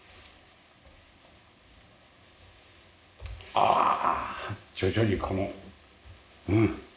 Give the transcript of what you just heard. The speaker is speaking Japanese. ああ徐々にこのうん。